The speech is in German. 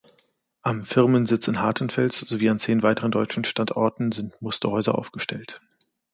Am Firmensitz in Hartenfels sowie an zehn weiteren deutschen Standorten sind Musterhäuser aufgestellt.